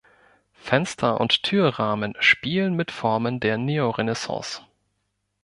Fenster- und Türrahmen spielen mit Formen der Neorenaissance.